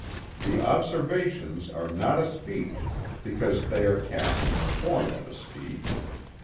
The Observations are not a speech because they are cast in the form of a speech.